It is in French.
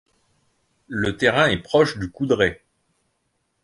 Le terrain est proche du Coudray.